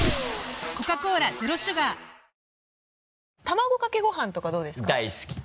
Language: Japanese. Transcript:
卵かけご飯とかどうですか大好き。